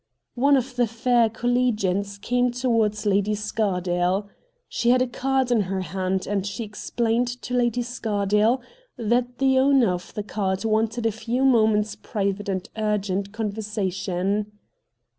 One of the fair collegians came towards Lady Scardale. She had a card in her hand, and she explained to Lady Scardale that the owner of the card wanted a few moments' private and urgent conversation.